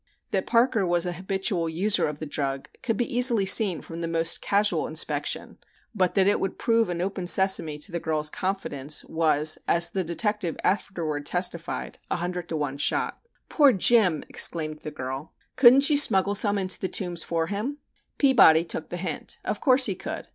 That Parker was an habitual user of the drug could be easily seen from the most casual inspection, but that it would prove an open sesame to the girl's confidence was, as the detective afterward testified, "a hundred to one shot." "Poor Jim!" exclaimed the girl. "Couldn't you smuggle some into the Tombs for him?" Peabody took the hint. Of course he could.